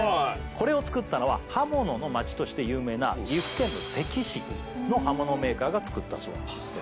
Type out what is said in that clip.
これを作ったのは刃物の町として有名な岐阜県の関市の刃物メーカーが作ったそうなんですけどあっ